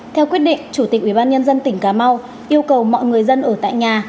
theo quyết định chủ tịch ubnd tỉnh cà mau yêu cầu mọi người dân ở tại nhà